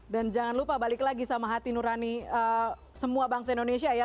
dan jangan lupa balik lagi sama hati nurani semua bangsa indonesia ya